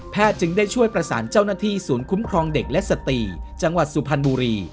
จึงได้ช่วยประสานเจ้าหน้าที่ศูนย์คุ้มครองเด็กและสตรีจังหวัดสุพรรณบุรี